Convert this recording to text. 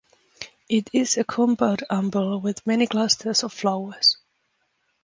It is a compound umbel with many clusters of flowers.